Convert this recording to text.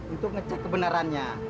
untuk ngecek kebenarannya